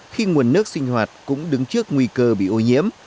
khi nguồn nước sinh hoạt cũng đứng trước nguy cơ bị ô nhiễm